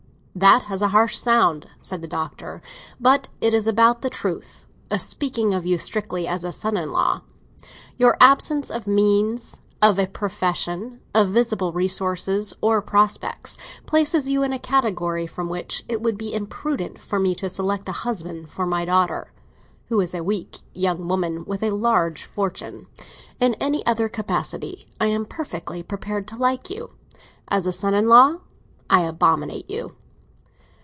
"That has a harsh sound," said the Doctor, "but it is about the truth—speaking of you strictly as a son in law. Your absence of means, of a profession, of visible resources or prospects, places you in a category from which it would be imprudent for me to select a husband for my daughter, who is a weak young woman with a large fortune. In any other capacity I am perfectly prepared to like you. As a son in law, I abominate you!"